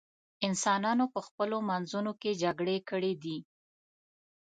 انسانانو په خپلو منځونو کې جګړې کړې دي.